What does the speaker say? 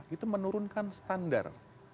itu menurunkan standar